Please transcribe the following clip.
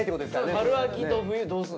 春秋と冬どうする。